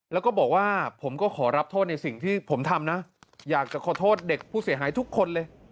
แล้วก็บอกว่าผมก็ขอรับโทษในสิ่งที่ผมทำนะอยากจะขอโทษเด็กผู้เสียหายทุกคนเลย